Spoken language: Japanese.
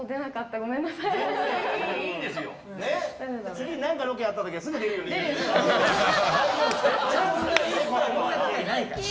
次、何かロケあった時はすぐ出るようにね。